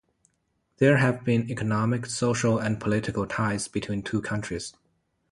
There have been economic, social and political ties between two countries.